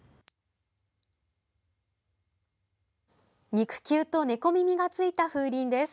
肉球と猫耳がついた風鈴です。